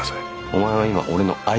お前は今俺の相方。